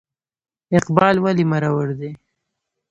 اقبال ولې مرور دی ؟